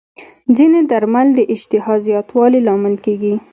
ځینې درمل د اشتها زیاتوالي لامل کېږي.